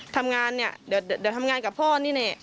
ทำงานเนี่ยเดี๋ยวทำงานกับพ่อนี่แน่